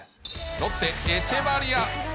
ロッテ、エチェバリア。